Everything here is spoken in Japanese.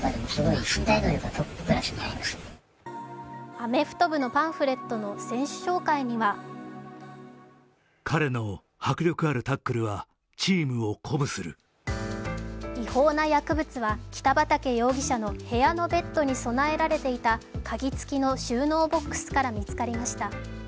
アメフト部のパンフレットの選手紹介には違法な薬物は北畠容疑者の部屋のベッドに備えられていた鍵付きの収納ボックスから見つかりました。